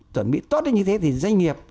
chuẩn bị tốt như thế thì doanh nghiệp